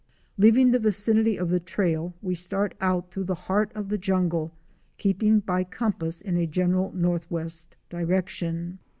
Leaving the vicinity of the trail we start out through the heart of the jungle, keeping by compass in a general north west direction.